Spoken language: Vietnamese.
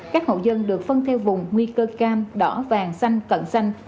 các hộ dân được phân theo vùng nguy cơ cam đỏ vàng xanh cận xanh